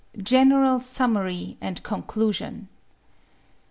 GENERAL A SUMMARY AND CONCLUSION.